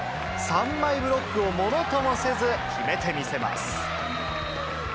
３枚ブロックを物ともせず決めてみせます。